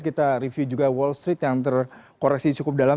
kita review juga wall street yang terkoreksi cukup dalam